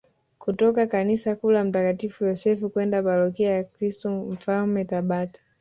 kutoka kanisa kuu la mtakatifu Yosefu kwenda parokia ya Kristo Mfalme Tabata